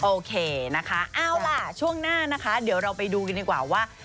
โอเคนะคะเอาล่ะช่วงหน้านะคะเดี๋ยวเราไปดูกันดีกว่าว่า